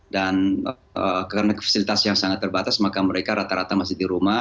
dan karena fasilitas yang sangat terbatas maka mereka rata rata masih di rumah